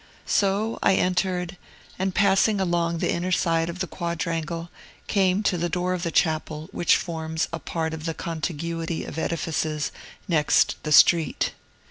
So I entered, and, passing along the inner side of the quadrangle, came to the door of the chapel, which forms a part of the contiguity of edifices next the street.